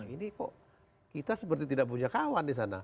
ini kok kita seperti tidak punya kawan disana